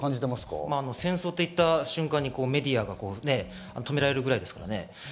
戦争といった瞬間にメディアが止められるぐらいですからね。